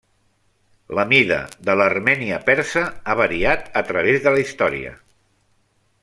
La mida de l'Armènia persa ha variat a través de la història.